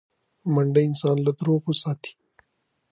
منډه انسان له دروغو ساتي